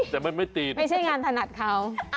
แต่มันไม่ติดไม่ใช่งานถนัดเขา